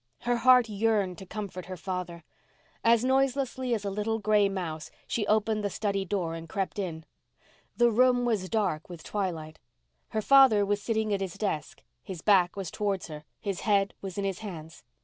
Her heart yearned to comfort her father. As noiselessly as a little gray mouse she opened the study door and crept in. The room was dark with twilight. Her father was sitting at his desk. His back was towards her—his head was in his hands.